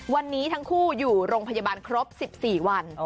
วันนี้ทั้งคู่อยู่โรงพยาบาลครบ๑๔วัน